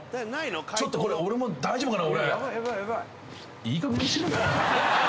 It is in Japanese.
ちょっとこれ俺も大丈夫かな？